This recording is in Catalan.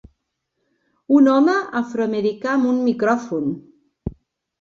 Un home afroamericà amb un micròfon